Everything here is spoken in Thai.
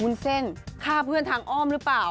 เส้นฆ่าเพื่อนทางอ้อมหรือเปล่า